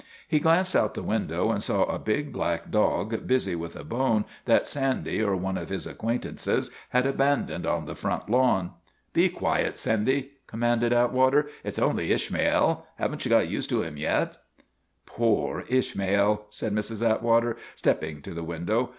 He glanced out the window and saw a big black dog busy with a bone that Sandy or one of his acquaintances had abandoned on the front lawn. " Be quiet, Sandy," commanded Atwater. " It 's only Ishmael. Have n't you got used to him yet ?'" Poor Ishmael !' said Mrs. Atwater, stepping to the window.